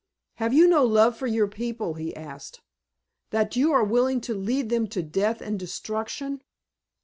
"Have you no love for your people," he asked, "that you are willing to lead them to death and destruction?